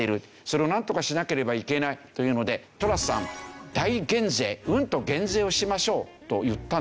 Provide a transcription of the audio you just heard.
それをなんとかしなければいけないというのでトラスさん大減税うんと減税をしましょうと言ったんですよね。